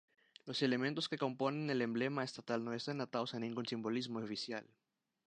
Los elementos que componen el emblema estatal no están atados a ningún simbolismo "oficial".